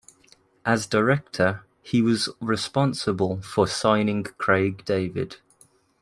As Director, he was responsible for signing Craig David.